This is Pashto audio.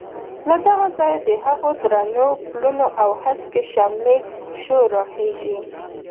له دغه ځایه د هغو درنو پلونو او هسکې شملې شور راخېژي.